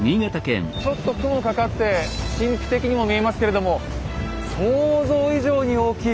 ちょっと雲かかって神秘的にも見えますけれども想像以上に大きい。